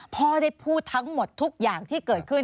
พ่อได้พูดทั้งหมดทุกอย่างที่เกิดขึ้น